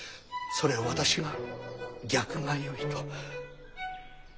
それを私が逆がよいと。